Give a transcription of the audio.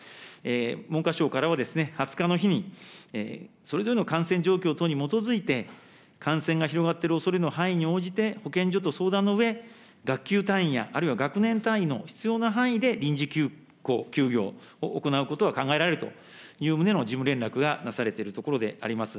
文科省からもですね、２０日の日にそれぞれの感染状況等に基づいて、感染が広がっているおそれの範囲に応じて保健所と相談のうえ、学級単位や、あるいは学年単位の必要な範囲で臨時休校、休業を行うことは考えられるという旨の事務連絡がなされているところであります。